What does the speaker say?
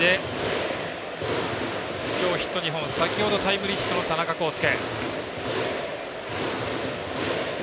今日ヒット２本先ほどタイムリーヒットの田中広輔。